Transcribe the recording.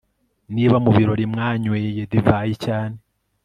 niba mu birori mwanyweye divayi cyane